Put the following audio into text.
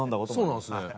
そうなんですね。